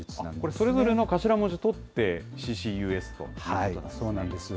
それぞれの頭文字取ってＣＣＵＳということなんですね。